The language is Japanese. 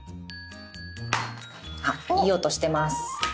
いい音してます。